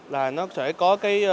là nó sẽ có